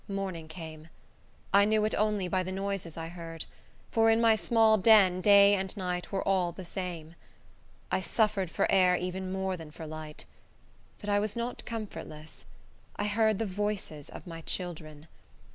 Morning came. I knew it only by the noises I heard; for in my small den day and night were all the same. I suffered for air even more than for light. But I was not comfortless. I heard the voices of my children.